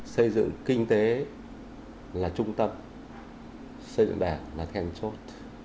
xây dựng kinh tế là trung tâm xây dựng đảng là then chốt